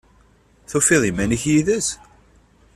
Tufiḍ iman-ik yid-s?